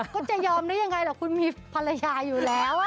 ก็จะยอมได้อย่างไรหรอกคุณมีภรรยาอยู่แล้ว